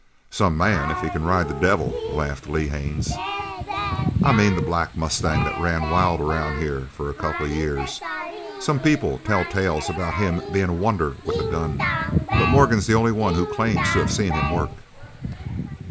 "Some man if he can ride the devil," laughed Lee Haines. "I mean the black mustang that ran wild around here for a couple of years. Some people tell tales about him being a wonder with a gun. But Morgan's the only one who claims to have seen him work."